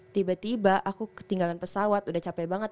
tiba tiba aku ketinggalan pesawat udah capek banget